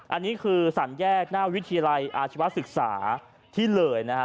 อันนี้คือสามแยกหน้าวิทยาลัยอาชีวศึกษาที่เลยนะฮะ